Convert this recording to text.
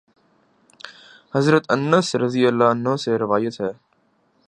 حضرت انس رضی اللہ عنہ سے روایت ہے